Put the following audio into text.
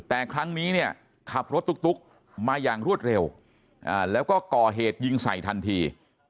แต่ครั้งนี้เนี่ยขับรถตุ๊กมาอย่างรวดเร็วแล้วก็ก่อเหตุยิงใส่ทันที